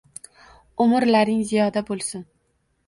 Umrlaring ziyoda bo’lsin.